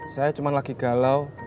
saya cuma lagi galau